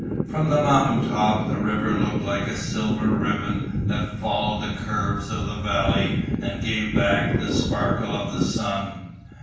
From the mountain top the river looked like a silver ribbon that followed the curves of the valley and gave back the sparkle of the sun.